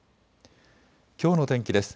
きょうの天気です。